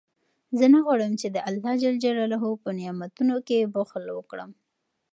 زه نه غواړم چې د الله په نعمتونو کې بخل وکړم.